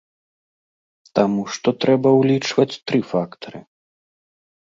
Таму што трэба ўлічваць тры фактары.